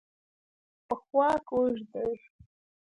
پښواک اوږد دی.